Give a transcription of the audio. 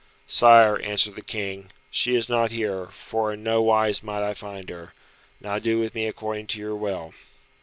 "Sire," answered the knight, "she is not here, for in no wise might I find her. Now do with me according to your will."